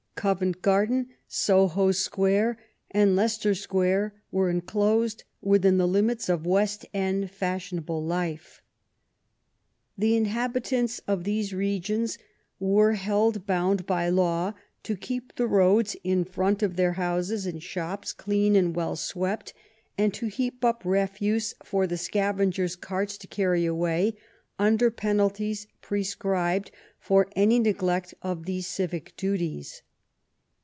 Covent Garden, Soho Square, and Leicester Square were en closed within the limits of West End fashionable life. The inhabitants of these regions were held bound by law to keep the roads in front of their houses and shops clean and well swept, and to heap up refuse for the scavengers' carts to carry away, under penalties pre scribed for any neglect of these civic duties.